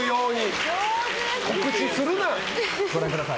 ご覧ください。